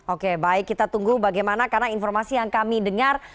oke baik kita tunggu bagaimana karena informasi yang kami dengar